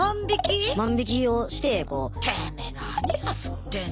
万引きをしてこう。